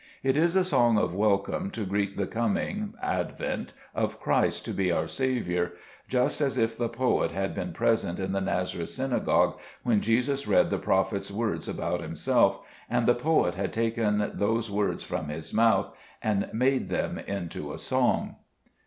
It is a song of welcome to greet the coming (advent) of Christ to be our Saviour ;— just as if the poet had been present in the Nazareth Synagogue when Jesus read the prophet's words about Himself, and the poet had taken those words from His mouth and made them into a song.